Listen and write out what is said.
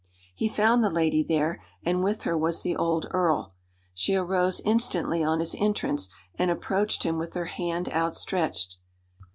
He found the lady there, and with her was the old earl. She arose instantly on his entrance, and approached him with her hand outstretched.